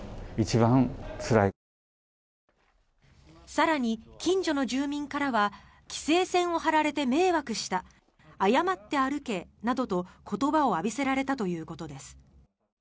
更に、近所の住民からは規制線を張られて迷惑した謝って歩けなどと、言葉を浴びせられたということです。